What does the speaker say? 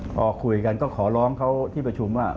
พอคุยกันก็ขอร้องเขาที่ประชุมว่า